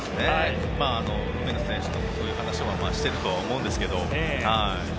梅野選手とそういう話もしていると思うんですけど。